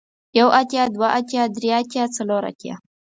يو اتيا ، دوه اتيا ، دري اتيا ، څلور اتيا ،